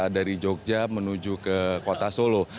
dari jogja menuju ke kota solo